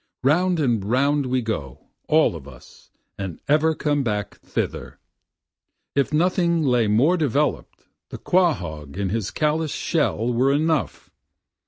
(Round and round we go, all of us, and ever come back thither,) If nothing lay more develop'd the quahaug in its callous shell were enough.